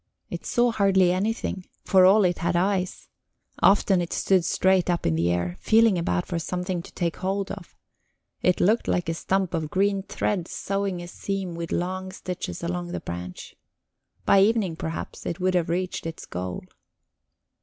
It saw hardly anything, for all it had eyes; often it stood straight up in the air, feeling about for something to take hold of; it looked like a stump of green thread sewing a seam with long stitches along the branch. By evening, perhaps, it would have reached its goal.